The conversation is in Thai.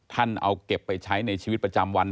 ท่านเอาเก็บไปใช้ในชีวิตประจำวัน